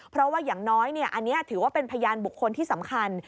เพราะว่าอย่างน้อยอันนี้ถือว่าเป็นพยานบุคคลที่สำคัญ